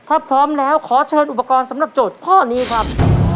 ถ้าพร้อมแล้วขอเชิญอุปกรณ์สำหรับโจทย์ข้อนี้ครับ